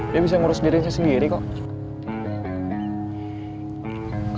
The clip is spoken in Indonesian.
dia bisa ngurus dirinya sendiri kok